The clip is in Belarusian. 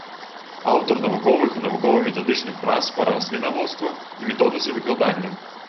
Аўтар навуковых і навукова-метадычных прац па раслінаводству і методыцы выкладання.